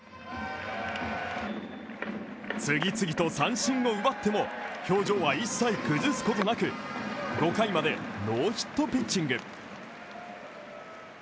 次々と三振を奪っても表情は一切崩すことなく５回までノーヒットピッチング。